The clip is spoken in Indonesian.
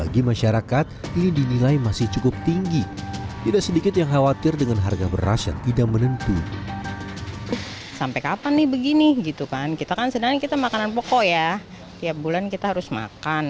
kita kan sedangkan kita makanan pokok ya tiap bulan kita harus makan